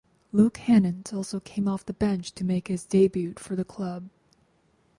Luke Hannant also came off the bench to make his debut for the club.